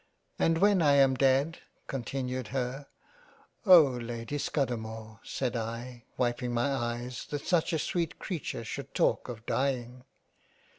And when I am dead "— continued her " Oh Lady Scudamore, said I wiping my eyes, that such a sweet Creature should talk of dieing